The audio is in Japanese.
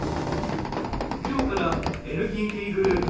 今日からＮＴＴグループ